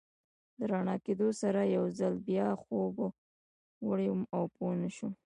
له رڼا کېدو سره یو ځل بیا خوب وړی وم او پوه نه شوم.